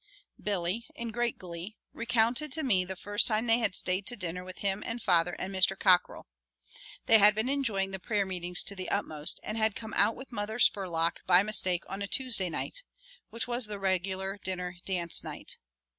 Billy, in great glee, recounted to me the first time they had stayed to dinner with him and father and Mr. Cockrell. They had been enjoying the prayer meetings to the utmost and had come out with Mother Spurlock by mistake on a Tuesday night, which was the regular dinner dance night.